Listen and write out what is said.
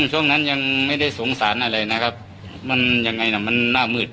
ช่วงนั้นยังไม่ได้สงสารอะไรนะครับมันยังไงน่ะมันหน้ามืด